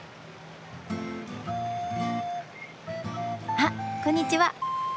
あっこんにちは。